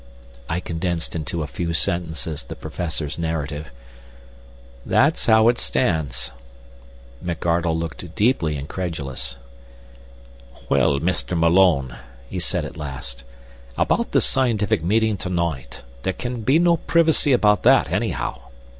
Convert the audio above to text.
I condensed into a few sentences the Professor's narrative. "That's how it stands." McArdle looked deeply incredulous. "Well, Mr. Malone," he said at last, "about this scientific meeting to night; there can be no privacy about that, anyhow.